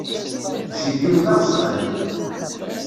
Jip-iw d aɣezfan.